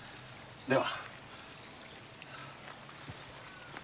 では。